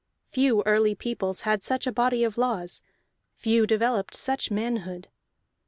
Few early peoples had such a body of laws; few developed such manhood.